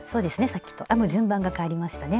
さっきと編む順番がかわりましたね。